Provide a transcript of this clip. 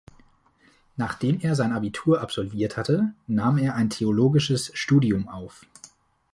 Nachdem er sein Abitur absolviert hatte, nahm er ein theologisches Studium auf.